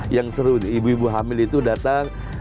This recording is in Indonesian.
yang seru ibu ibu hamil itu datang